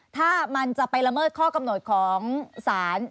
ถ้ามันจะไปละเมิดข้อกำหนดของศาล